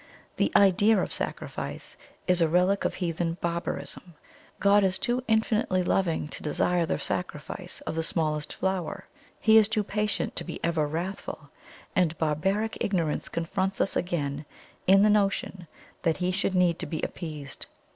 The idea of sacrifice is a relic of heathen barbarism; God is too infinitely loving to desire the sacrifice of the smallest flower. He is too patient to be ever wrathful; and barbaric ignorance confronts us again in the notion that He should need to be appeased.